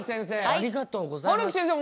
ありがとうございます。